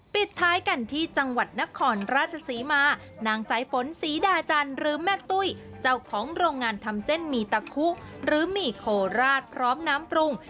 ปิดท้ายกันที่จังหวัดนครราชศรีมานางสายฝนศรีดาจันทร์หรือแม่ตุ้ยเจ้าของโรงงานทำเส้นหมี่ตะคุหรือหมี่โคราชพร้อมน้ำปรุง